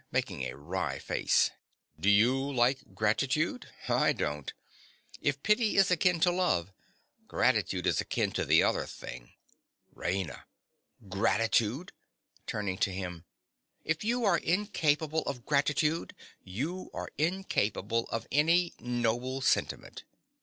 (making a wry face). Do you like gratitude? I don't. If pity is akin to love, gratitude is akin to the other thing. RAINA. Gratitude! (Turning on him.) If you are incapable of gratitude you are incapable of any noble sentiment.